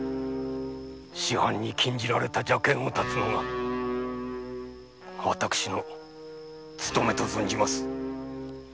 師範に禁じられた邪剣を断つのが私の務めと存じます。